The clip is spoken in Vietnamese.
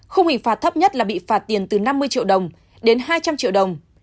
khung hình phạt thấp nhất là bị phạt tiền từ năm mươi triệu đồng đến hai trăm linh triệu đồng